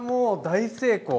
大成功！